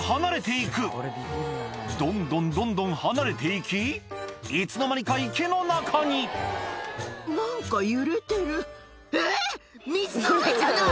どんどんどんどん離れて行きいつの間にか池の中にえぇ！